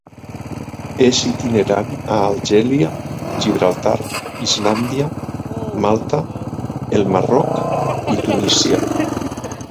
És itinerant a Algèria, Gibraltar, Islàndia, Malta, el Marroc i Tunísia.